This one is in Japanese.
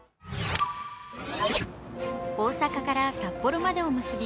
大阪から札幌までを結び